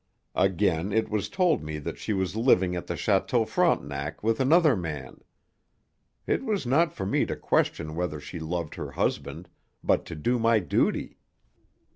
Again it was told me that she was living at the Château Frontenac with another man. It was not for me to question whether she loved her husband, but to do my duty.